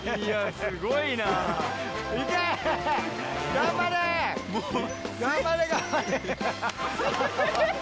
頑張れ頑張れ。